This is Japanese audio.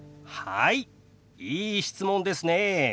いい質問ですね。